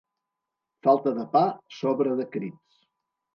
Falta de pa, sobra de crits.